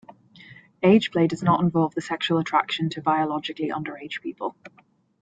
Ageplay does not involve the sexual attraction to biologically underage people.